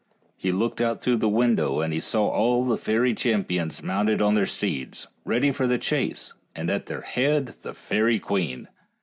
He looked out through the window, and he saw all the fairy champions mounted on their steeds 58 FAIRY TALES ready for the chase, and at their head the fairy queen.